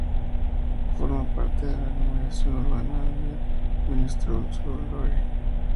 Forma parte de la aglomeración urbana de Monistrol-sur-Loire.